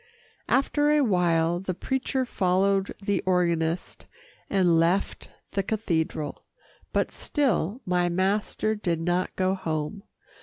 After a while the preacher followed the organist, and left the cathedral, but still my master did not go home.